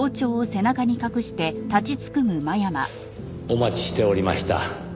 お待ちしておりました。